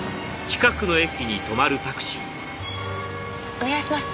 お願いします。